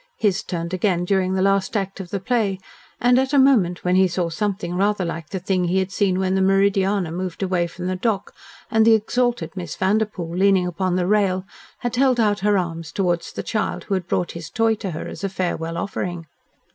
His turned again during the last act of the play, and at a moment when he saw something rather like the thing he had seen when the Meridiana moved away from the dock and the exalted Miss Vanderpoel leaning upon the rail had held out her arms towards the child who had brought his toy to her as a farewell offering.